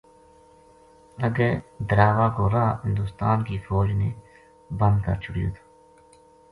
اگے دراوہ کو راہ ہندستان کی فوج نے بند کر چھُڑیو تھو